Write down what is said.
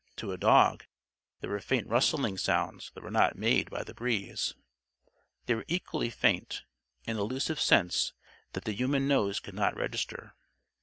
To a dog, there were faint rustling sounds that were not made by the breeze. There were equally faint and elusive scents that the human nose could not register.